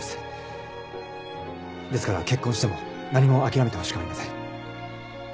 ですから結婚しても何も諦めてほしくありません。